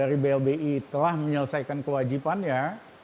para debitur dari blbi telah menyelesaikan kewajipannya